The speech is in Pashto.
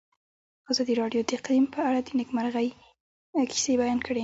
ازادي راډیو د اقلیم په اړه د نېکمرغۍ کیسې بیان کړې.